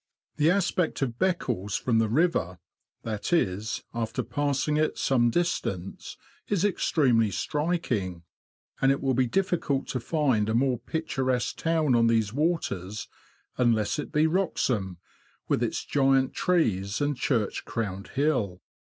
The aspect of Beccles from the river — that is, after passing it some distance — is extremely striking, and it will be difficult to find a more picturesque town on these waters, unless it be Wroxham, with its giant trees and church crowned hill.